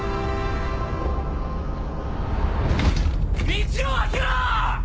道をあけろ！